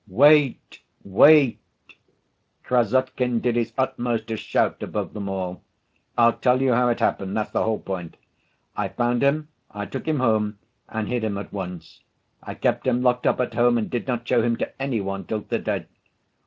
"Wait, wait," Krassotkin did his utmost to shout above them all. "I'll tell you how it happened, that's the whole point. I found him, I took him home and hid him at once. I kept him locked up at home and did not show him to any one till to‐day.